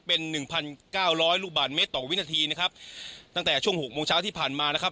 เป็นหนึ่งพันเก้าร้อยลูกบาทเมตรต่อวินาทีนะครับตั้งแต่ช่วงหกโมงเช้าที่ผ่านมานะครับ